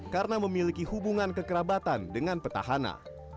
karena memiliki hubungan kekerabatan dengan petahana